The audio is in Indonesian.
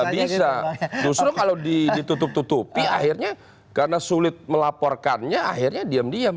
oh tidak bisa justru kalau ditutup tutupi akhirnya karena sulit melaporkannya akhirnya diem diem